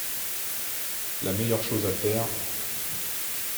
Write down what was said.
La meilleure chose à faire...